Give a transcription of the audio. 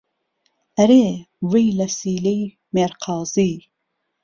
ئهرێ وهی له سیلهی مێرقازی